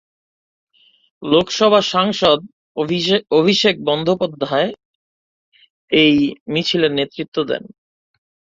লোকসভা সাংসদ অভিষেক বন্দ্যোপাধ্যায় এই মিছিলের নেতৃত্ব দেন।